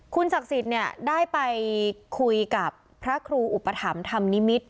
คุณศักดิ์สิทธิ์เนี่ยได้ไปคุยกับพระครูอุปถัมภ์นิมิตร